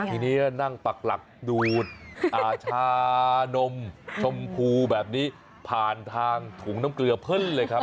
ทีนี้นั่งปักหลักดูดชานมชมพูแบบนี้ผ่านทางถุงน้ำเกลือเพิ่นเลยครับ